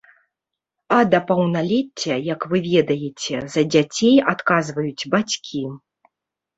А да паўналецця, як вы ведаеце, за дзяцей адказваюць бацькі.